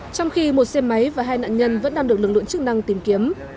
trong khi một xe máy và hai nạn nhân vẫn đang được lực lượng chức năng tìm kiếm